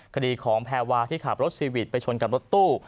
คดีของแพรวาที่ขับรถซีวิทไปชนกับรถตู้